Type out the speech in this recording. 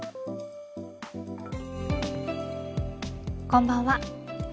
こんばんは。